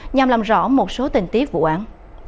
nhằm làm rõ một số tình tiết vụ án